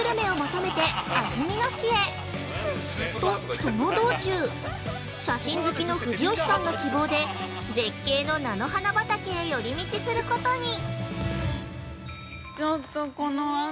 と、その道中、写真好きの藤吉さんの希望で絶景の菜の花畑へ寄り道することに。